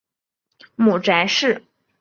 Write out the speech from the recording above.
母翟氏。